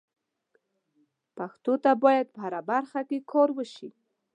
پښتو ته باید په هره برخه کې کار وشي.